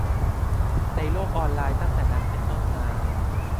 ในโลกออนไลน์ตั้งแต่นั้นเป็นต้นมา